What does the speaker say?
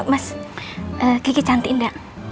mas kiki cantik gak